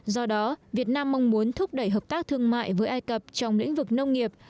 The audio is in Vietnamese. do đó việt nam mong muốn thúc đẩy hợp tác thương mại với ai cập trong lĩnh vực nông nghiệp